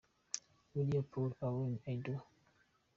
Willy Paul & Alaine – I Do.